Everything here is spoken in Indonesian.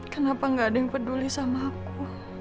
kenapa gak ada yang peduli sama aku